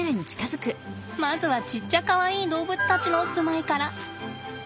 まずはちっちゃかわいい動物たちの住まいから。